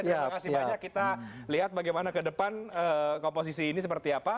terima kasih banyak kita lihat bagaimana ke depan komposisi ini seperti apa